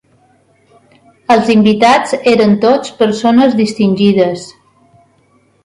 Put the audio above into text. Els invitats eren tots persones distingides.